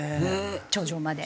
頂上まで。